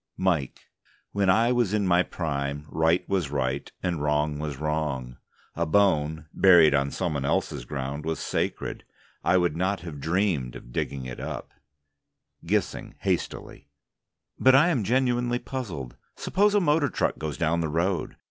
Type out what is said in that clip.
MIKE: When I was in my prime Right was Right, and Wrong was Wrong. A bone, buried on someone else's ground, was sacred. I would not have dreamed of digging it up GISSING (hastily): But I am genuinely puzzled. Suppose a motor truck goes down the road.